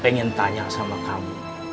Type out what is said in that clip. pengen tanya sama kamu